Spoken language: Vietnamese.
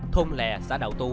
thông lẻ xã đảo tố